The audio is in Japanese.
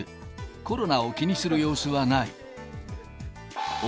コロナを気にする様子はない。